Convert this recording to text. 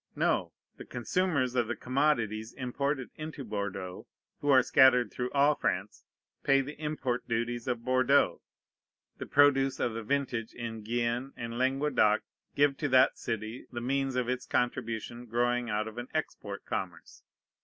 No. The consumers of the commodities imported into Bordeaux, who are scattered through all France, pay the import duties of Bordeaux. The produce of the vintage in Guienne and Languedoc give to that city the means of its contribution growing out of an export commerce.